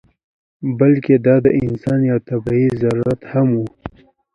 بلکې دا د انسان یو طبعي ضرورت هم و.